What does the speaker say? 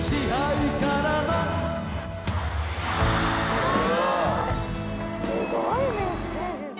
卒業すごいメッセージ性。